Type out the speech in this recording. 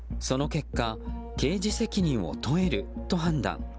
その結果刑事責任を問えると判断。